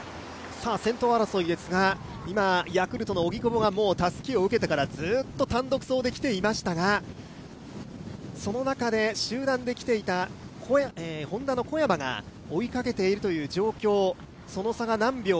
先頭争いですが今ヤクルトの荻久保がもうたすきを受けてからずっと単独走で来ていましたがその中で集団で来ていたＨｏｎｄａの小山が追いかけているという状況。